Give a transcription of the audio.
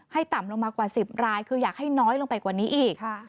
ต่ำลงมากว่า๑๐รายคืออยากให้น้อยลงไปกว่านี้อีก